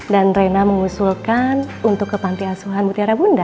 dan rena mengusulkan untuk ke pantai asuhan mutiara bunda